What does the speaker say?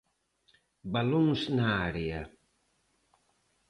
Balóns na área.